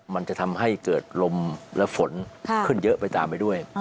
มันจะทำให้เกิดลมและฝนขึ้นเยอะไปตามไปด้วย